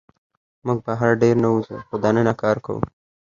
موږ بهر ډېر نه وځو، خو دننه کار کوو.